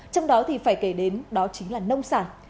trong đó thì phải kể đến đó chính là nông sản